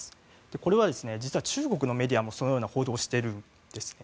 これは実は中国のメディアもそのような報道をしているんですね。